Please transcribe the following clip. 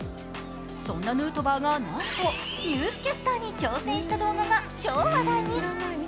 そんなヌートバーがなんとニュースキャスターに挑戦した動画が超話題に。